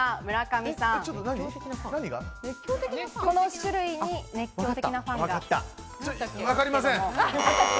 この種類に熱狂的なファンが。